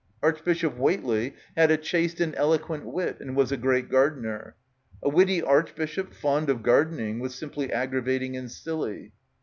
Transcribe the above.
Arch bishop Whateley had a "chaste and eloquent wit" and was a "great gardener." A witty archbishop fond of gardening was simply aggravating and silly.